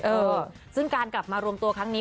เออซึ่งการกลับมารวมตัวครั้งนี้